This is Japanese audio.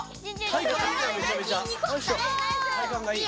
体幹がいい。